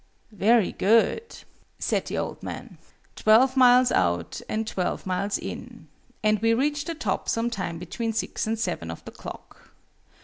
"Very good," said the old man. "Twelve miles out and twelve miles in. And we reached the top some time between six and seven of the clock.